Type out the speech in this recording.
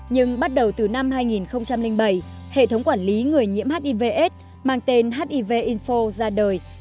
nhưng bắt đầu từ năm hai nghìn bảy hệ thống quản lý người nhiễm hivs mang tên hiv info ra đời